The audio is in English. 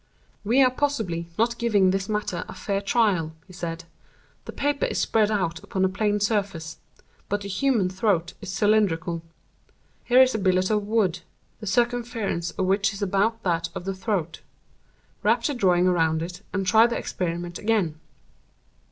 "We are possibly not giving this matter a fair trial," he said. "The paper is spread out upon a plane surface; but the human throat is cylindrical. Here is a billet of wood, the circumference of which is about that of the throat. Wrap the drawing around it, and try the experiment again."